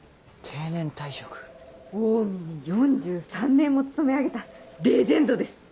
オウミに４３年も勤め上げたレジェンドです！